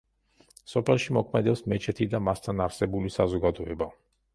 სოფელში მოქმედებს მეჩეთი და მასთან არსებული საზოგადოება.